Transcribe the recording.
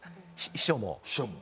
秘書も。